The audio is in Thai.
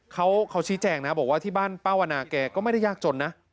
เขาชี้แจงนะบอกว่าที่บ้านป้าวนาแกก็ไม่ได้ยากจนนะ